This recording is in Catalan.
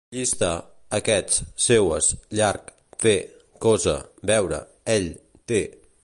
Llista: aquests, seues, llarg, fer, cosa, veure, ell, té